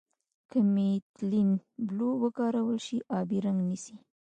که میتیلین بلو وکارول شي آبي رنګ نیسي.